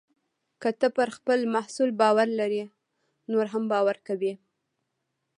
که ته پر خپل محصول باور لرې، نور هم باور کوي.